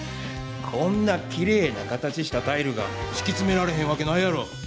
こんなきれいな形したタイルがしきつめられへんわけないやろ！